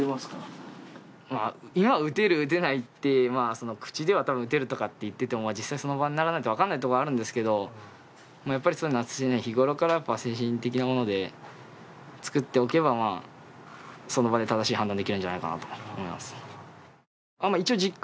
今撃てる撃てないって口では「撃てる」とかって言ってても実際その場にならないと分からないとこあるんですけどやっぱりそういうのは常日頃から精神的なものでつくっておけばまあその場で正しい判断できるんじゃないかなと思います